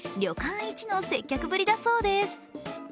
一の接客ぶりだそうです。